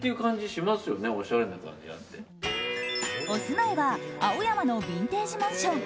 お住まいは青山のビンテージマンション。